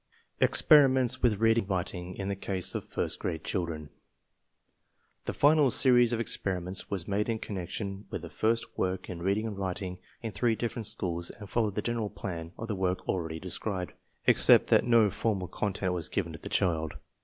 EXPERIMENTS WITH READING AND WRITING IN THE CASE OF FIRST GRADE CHILDREN The final series of experiments was made in connec tion with the first work in reading and writing in three 110 TESTS AND SCHOOL REORGANIZATION different schools and followed the general plan of the work already described, except that no formal content was given to the child.